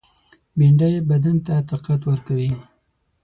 بېنډۍ بدن ته طاقت ورکوي